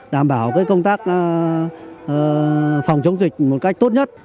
đảm bảo công tác phòng chống dịch một cách tốt nhất